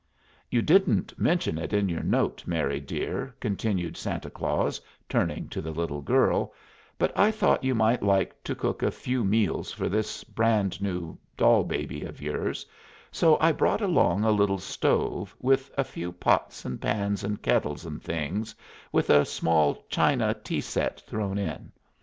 "You didn't mention it in your note, Mary, dear," continued Santa Claus, turning to the little girl, "but I thought you might like to cook a few meals for this brand new doll baby of yours, so I brought along a little stove, with a few pots and pans and kettles and things, with a small china tea set thrown in.